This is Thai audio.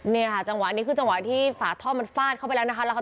เนี่ยค่ะจังหวะนี้คือจังหวะที่ฝาท่อมันฟาดเข้าไปแล้วนะคะ